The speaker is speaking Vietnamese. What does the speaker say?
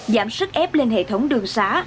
giảm sức ép lên hệ thống đường xã